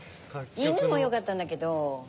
犬も良かったんだけど。